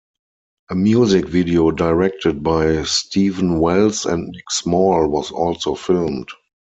A music video directed by Steven Wells and Nick Small was also filmed.